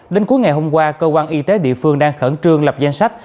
đến cuối ngày hôm qua cơ quan y tế địa phương đang khẩn trương lập danh sách